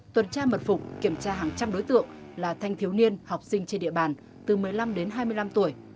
tuần tra mật phục kiểm tra hàng trăm đối tượng là thanh thiếu niên học sinh trên địa bàn từ một mươi năm đến hai mươi năm tuổi